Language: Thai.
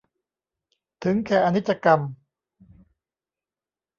ถึงแก่อนิจกรรม